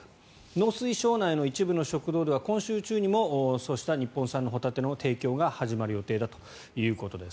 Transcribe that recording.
農水省内の一部の食堂には今週中にもそうした日本産のホタテの提供が始まる予定だということです。